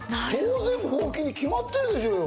当然、ほうきに決まってるでしょうよ！